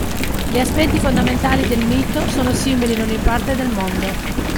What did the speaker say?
Gli aspetti fondamentali del mito sono simili in ogni parte del mondo.